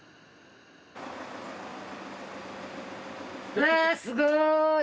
うわすごい！